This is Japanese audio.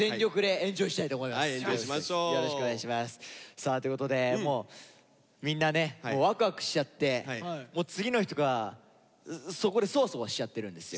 さあということでもうみんなねワクワクしちゃってもう次の人がそこでソワソワしちゃってるんですよ。